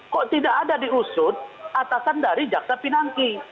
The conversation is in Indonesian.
kok tidak ada diusut atasan dari jaksa pinangki